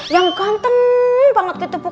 yang ganteng banget gitu bu